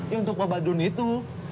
ya untuk pak badun itu